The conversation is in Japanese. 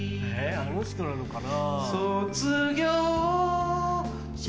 あの人なのかな？